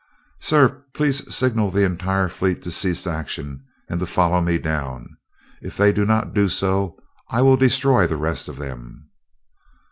"Sir, please signal the entire fleet to cease action, and to follow me down. If they do not do so, I will destroy the rest of them."